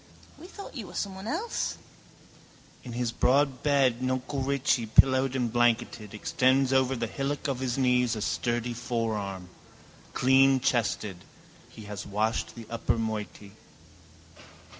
—We thought you were someone else. In his broad bed nuncle Richie, pillowed and blanketed, extends over the hillock of his knees a sturdy forearm. Cleanchested. He has washed the upper moiety.